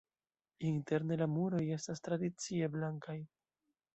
Interne la muroj estas tradicie blankaj.